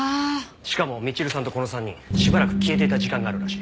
しかもみちるさんとこの３人しばらく消えていた時間があるらしい。